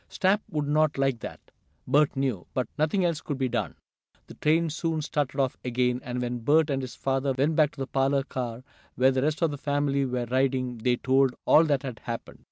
Snap would not like that, Bert knew, but nothing else could be done. The train soon started off again, and when Bert and his father went back to the parlor car where the rest of the family were riding they told all that had happened.